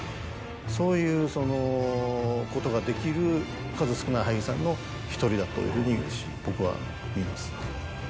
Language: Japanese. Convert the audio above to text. そういうことができる数少ない俳優さんの１人だというふうに僕は見えます。